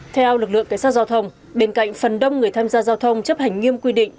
theo lực lượng cảnh sát giao thông bên cạnh phần đông người tham gia giao thông chấp hành nghiêm quy định